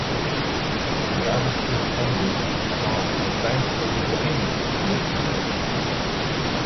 When the armistice ended, John advanced over the Inn towards Munich.